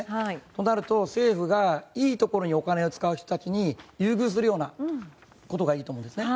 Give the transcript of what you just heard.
となると政府がいいところにお金を使う人たちを優遇するようなことがいいと思うんですね。